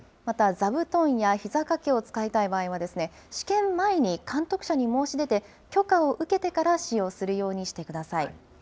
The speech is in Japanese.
また座布団やひざ掛けを使いたい場合はですね、試験前に監督者に申し出て、許可を受けてから使用するようにしてください。